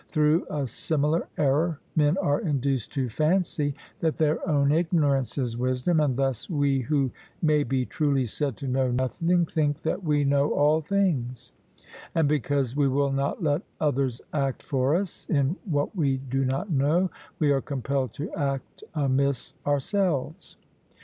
Through a similar error men are induced to fancy that their own ignorance is wisdom, and thus we who may be truly said to know nothing, think that we know all things; and because we will not let others act for us in what we do not know, we are compelled to act amiss ourselves.